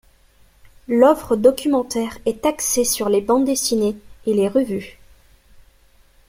L’offre documentaire est axée sur les bandes-dessinées et les revues.